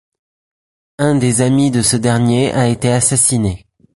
Un des amis de ce dernier a été assassiné.